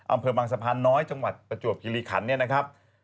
อำเภอบางสะพานน้อยจังหวัดประจวบคิริขันเนี่ยนะครับ